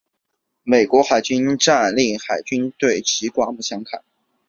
美国海军的战果令皇家海军对其刮目相看。